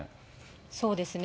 そうですね。